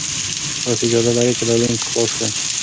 تاسي اجازه لرئ چې دا لینک خلاص کړئ.